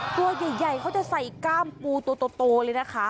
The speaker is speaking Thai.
ตัวใหญ่เขาจะใส่กล้ามปูตัวโตเลยนะคะ